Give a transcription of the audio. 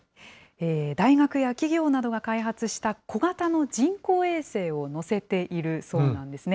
大学や企業などが開発した小型の人工衛星を載せているそうなんですね。